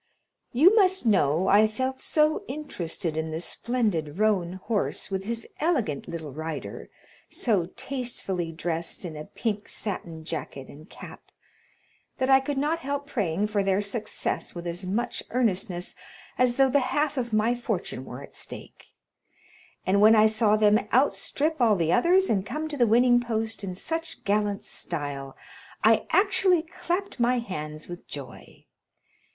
You must know I felt so interested in the splendid roan horse, with his elegant little rider, so tastefully dressed in a pink satin jacket and cap, that I could not help praying for their success with as much earnestness as though the half of my fortune were at stake; and when I saw them outstrip all the others, and come to the winning post in such gallant style, I actually clapped my hands with joy.